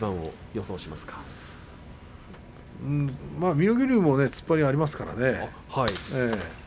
妙義龍も突っ張りはありますからね。